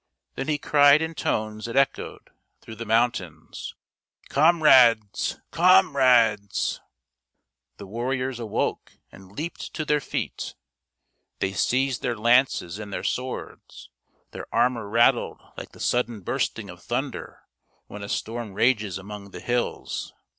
Then he cried in tones that echoed through the mountains :" Comrades ! Comrades !" The warriors awoke and leaped to their feet ; they seized their lances and their swords; their armor rattled like the sudden bursting of thunder when a storm rages among the hills.